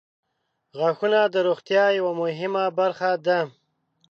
• غاښونه د روغتیا یوه مهمه برخه ده.